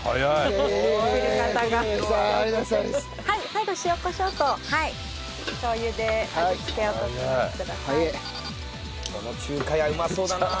最後塩コショウとしょう油で味付けを調えてください。